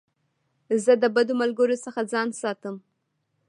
زه د بدو ملګرو څخه ځان ساتم.